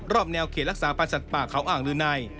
แนวเขตรักษาพันธ์สัตว์ป่าเขาอ่างลือใน